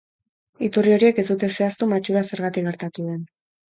Iturri horiek ez dute zehaztu matxura zergatik gertatu den.